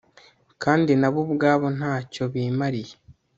kandi na bo ubwabo nta cyo bimariye